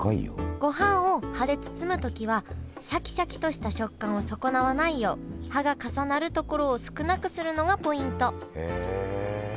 ごはんを葉で包むときはシャキシャキとした食感を損なわないよう葉が重なるところを少なくするのがポイントへえ。